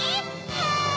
はい！